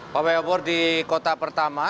pawai obor di kota pertama